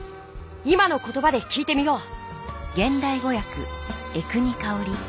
今の言ばで聞いてみよう。